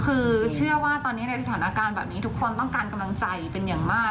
คือเชื่อว่าตอนนี้ในสถานการณ์แบบนี้ทุกคนต้องการกำลังใจเป็นอย่างมาก